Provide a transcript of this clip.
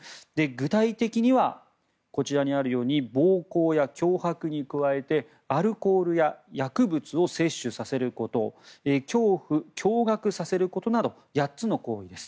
具体的にはこちらにあるように暴行や脅迫に加えてアルコールや薬物を摂取させること恐怖、驚がくさせることなど８つの行為です。